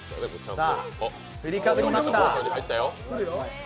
さあ、振りかぶりました。